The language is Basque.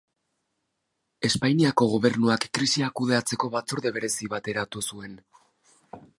Espainiako Gobernuak krisia kudeatzeko batzorde berezi bat eratu zuen.